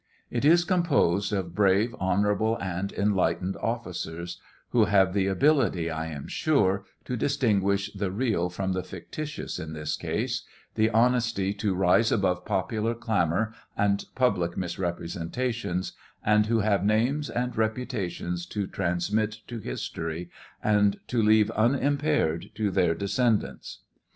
It is composed of brave, honorable, and enlightened officers, who have the ability, I am sure, to distinguish the real from the fictitious in this case, the honesty to. rise above popular clamor and pnblic misrepresentations, and who have names and reputations to transmit to history, and to leave unimpaired to their descend ants.